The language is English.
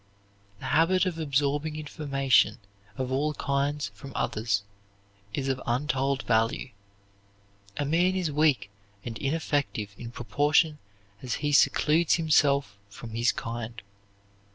The habit of absorbing information of all kinds from others is of untold value. A man is weak and ineffective in proportion as he secludes himself from his kind.